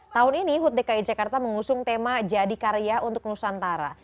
tahun ini hut dki jakarta mengusung tema jadi karya untuk nusantara